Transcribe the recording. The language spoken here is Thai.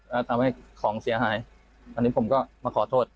แล้วทำให้ของเสียหายอันนี้ผมก็มาขอโทษ